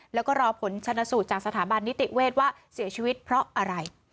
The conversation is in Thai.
แล้วก็รอผลชนสูตรจากสถาบันนิติเวทย์ว่าเสียชีวิตเพราะอะไร